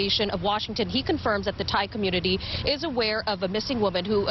ตอนนี้ตอนนี้ก็ยังไม่ได้มีตัว